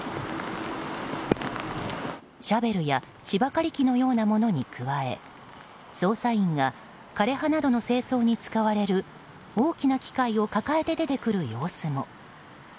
シャベルや芝刈り機のようなものに加え捜査員が枯れ葉などの清掃に使われる大きな機械を抱えて出てくる様子も。